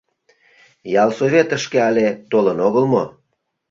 Ялсоветышке але толын огыл мо?